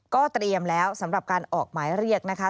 ก็เตรียมแล้วสำหรับการออกหมายเรียกนะคะ